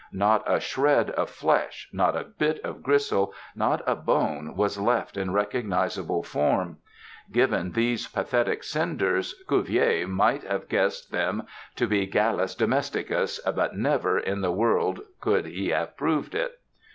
Not a shred of flesh, not a bit of gristle, not a bone was left in recognizable form. Given those pathetic cinders, Cuvier might have guessed them to be Gallus domesticus, but never in the world could he have proved it.